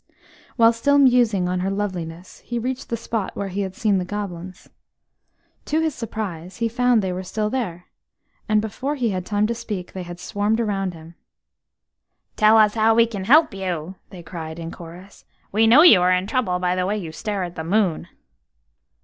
While still musing on her loveliness, he reached the spot where he had seen the goblins. To his surprise, he found they were still there, and before he had time to speak they had swarmed around him. "Tell us how we can help you," they cried in chorus. "We know you are in trouble by the way you stare at the moon."